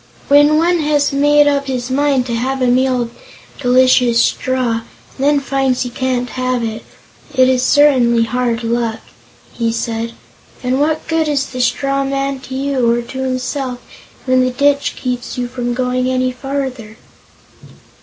"When one has made up his mind to have a meal of delicious straw, and then finds he can't have it, it is certainly hard luck," he said. "And what good is the straw man to you, or to himself, when the ditch keeps you from going any further?"